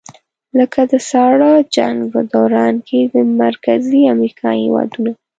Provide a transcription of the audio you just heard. لکه د ساړه جنګ په دوران کې د مرکزي امریکا هېوادونه.